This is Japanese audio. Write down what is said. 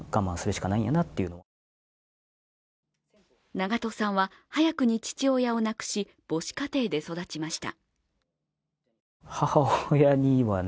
長渡さんは早くに父親を亡くし母子家庭で育ちました。